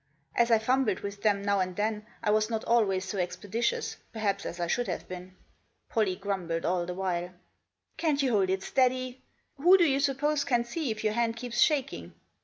As I fumbled with them now and then, I was not always so expeditious, perhaps, as I should have been. Pollie grumbled all the while. " Can't you hold it steady ? Who do you suppose can see if your hand keeps shaking